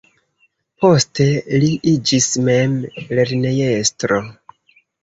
Poste li iĝis mem lernejestro.